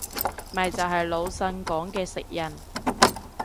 咪就係魯迅講嘅食人